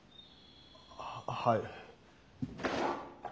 あははい。